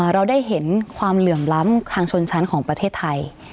เราได้เห็นความเหลื่อมล้ำทางชนชั้นของประเทศไทย